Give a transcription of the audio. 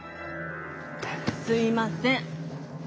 すいません。